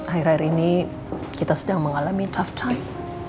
akhir akhir ini kita sedang mengalami touf time